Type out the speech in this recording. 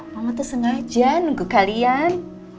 mama tuh sengaja nunggu kalian